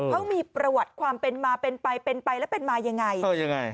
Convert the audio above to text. เพราะมีประวัติความเป็นมาเป็นไปเป็นไปแล้วเป็นมายังไง